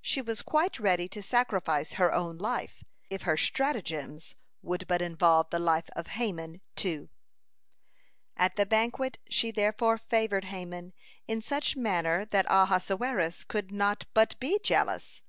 She was quite ready to sacrifice her own life, if her stratagems would but involve the life of Haman, too. (151) At the banquet she therefore favored Haman in such manner that Ahasuerus could not but be jealous.